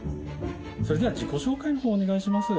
それでは自己紹介の方お願いします。